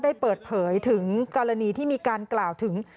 ได้เปิดเผยถึงกรณีที่มีการกล่าวถึง